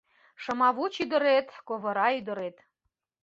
Шымавуч ӱдырет, ковыра ӱдырет